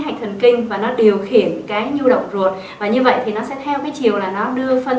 hạch thần kinh và nó điều khiển cái nhu động ruột và như vậy thì nó sẽ theo cái chiều là nó đưa phân